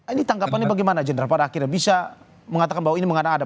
ini tanggapannya bagaimana general pada akhirnya bisa mengatakan bahwa ini mengarah ada